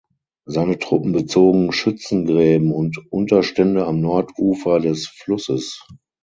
Seine Truppen bezogen Schützengräben und Unterstände am Nordufer des Flusses.